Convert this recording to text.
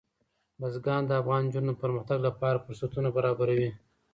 بزګان د افغان نجونو د پرمختګ لپاره فرصتونه برابروي.